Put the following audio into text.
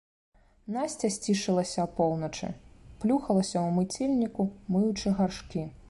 Насця сцішылася апоўначы, плюхалася ў мыцельніку, мыючы гаршкі.